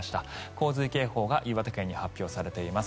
洪水警報が岩手県に発表されています。